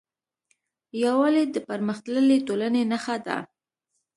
یووالی د پرمختللې ټولنې نښه ده.